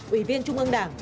ủy viên trung ương đảng